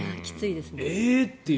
えっ！っていう。